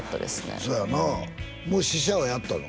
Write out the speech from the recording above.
そうやなもう試写はやったの？